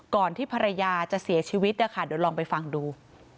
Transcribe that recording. ที่ภรรยาจะเสียชีวิตนะคะเดี๋ยวลองไปฟังดู